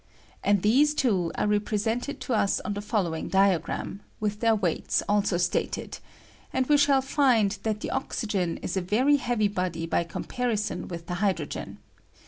And these two are represented to us on the fol lowing diagram, with their weights aJeo stated ; an4 we shall find that the oxygen is a very heavy body by comparison witli the hydrogen.